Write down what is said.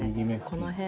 この辺。